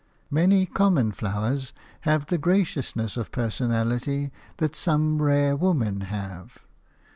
Many common flowers have the graciousness of personality that some rare women have.